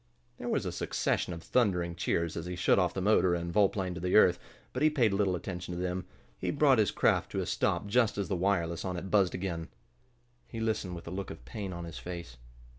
There was a succession of thundering cheers as he shut off the motor, and volplaned to earth, but he paid little attention to them. He brought his craft to a stop just as the wireless on it buzzed again. He listened with a look of pain on his face.